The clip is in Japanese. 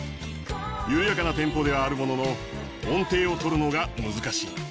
緩やかなテンポではあるものの音程を取るのが難しい。